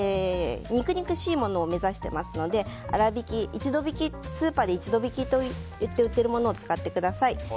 肉々しいものを目指してますので粗びき、スーパーで一度びきで売っているものを使ってください。